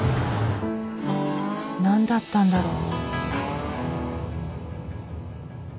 何だったんだろう？